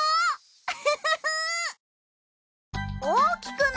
ウフフフ。